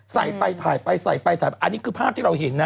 ใส่ไปถ่ายไปใส่ไปถ่ายอันนี้คือภาพที่เราเห็นนะ